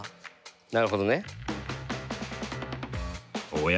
なるほどね。おや？